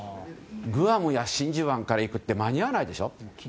グアムや真珠湾から行くって間に合わないでしょ。